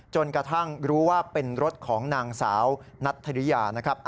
จนกระทั่งรู้ว่าเป็นรถของนางสาวนัทธริยานะครับ